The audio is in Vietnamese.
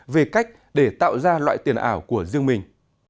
về cách để tạo ra loại tiền ảo của riêng mình